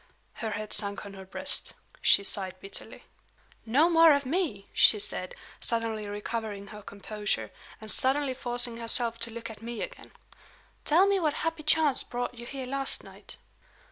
Her head sunk on her breast. She sighed bitterly. "No more of Me!" she said, suddenly recovering her composure, and suddenly forcing herself to look at me again. "Tell me what happy chance brought you here last night?"